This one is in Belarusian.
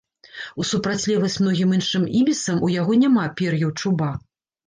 У супрацьлегласць многім іншым ібісам ў яго няма пер'яў-чуба.